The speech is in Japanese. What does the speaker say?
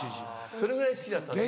それぐらい好きだったんです。